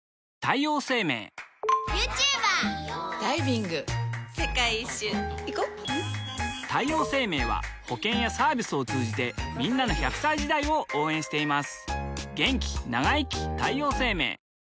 女性 ２） 世界一周いこ太陽生命は保険やサービスを通じてんなの１００歳時代を応援しています